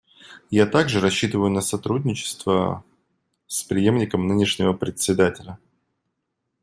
Я также рассчитываю на сотрудничество с преемником нынешнего Председателя.